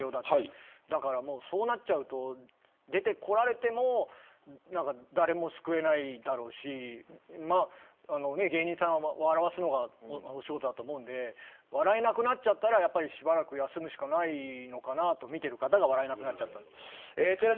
そうなっちゃうと出てこられても誰も救えないだろうし芸人さんは笑わすのがお仕事だと思うんで笑えなくなっちゃったらしばらく休むしかないのかなと見ている方が笑えなくなっちゃったら。